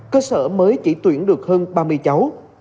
cơ sở mới chỉ tuyển được hơn ba mươi cháu